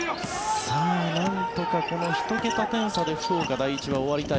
なんとかこの１桁点差で福岡第一は終わりたい。